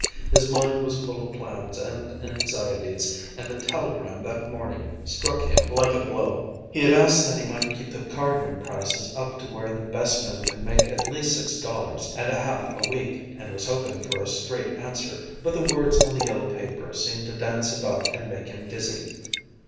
His mind was full of plans and anxieties and the telegram that morning struck him like a blow. He had asked that he might keep the card room prices up to where the best men could make at least six dollars and a half a week and was hoping for a straight answer, but the words on the yellow paper seemed to dance about and make him dizzy.